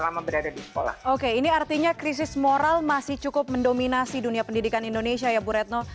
tapi kalau kita mencari kekerasan kita harus mencari kekerasan ini artinya krisis moral masih cukup mendominasi dunia pendidikan indonesia ya bu retno